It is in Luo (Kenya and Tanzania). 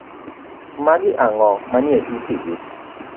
Magi ang'o manie itigi.